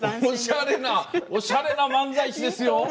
おしゃれな漫才師ですよ